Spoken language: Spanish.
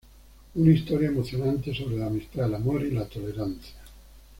Una historia emocionante sobre la amistad, el amor y la tolerancia.